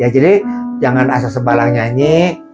jadi jangan asal sebalang nyanyi